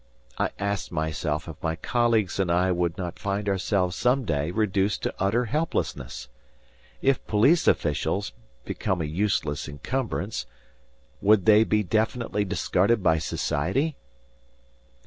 I asked myself if my colleagues and I would not find ourselves some day reduced to utter helplessness? If police officials, become a useless incumbrance, would be definitely discarded by society?